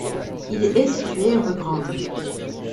Il est situé rue Grande.